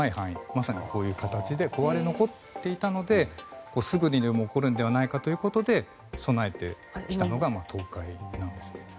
まさにこういう形で割れ残っていたのですぐにでも起こるのではないかということで備えてきたのが東海なんです。